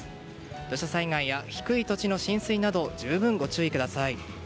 土砂災害や低い土地の浸水など十分ご注意ください。